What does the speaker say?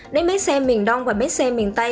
đến bến xe miền đông và bến xe miền tây